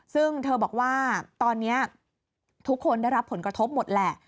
ซึ่งเธอบอกว่าตอนนี้ทุกคนได้รับผลกระทบหมดแหละ